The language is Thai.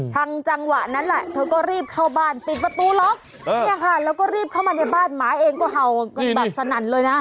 จังหวะนั้นแหละเธอก็รีบเข้าบ้านปิดประตูล็อกเนี่ยค่ะแล้วก็รีบเข้ามาในบ้านหมาเองก็เห่ากันแบบสนั่นเลยนะ